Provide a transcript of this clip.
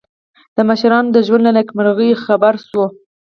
د مشرانو د ژوند له نېکمرغیو خبر شو.